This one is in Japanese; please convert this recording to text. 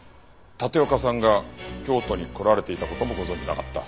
立岡さんが京都に来られていた事もご存じなかった？